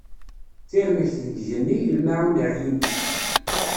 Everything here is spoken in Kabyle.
Tirmegt deg igenni, lmaɛun ar yini.